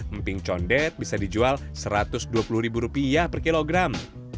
emping condet bisa dijual rp satu ratus dua puluh ribu rupiah per kilogram